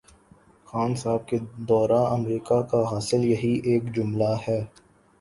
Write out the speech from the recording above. خان صاحب کے دورہ امریکہ کا حاصل یہی ایک جملہ ہے۔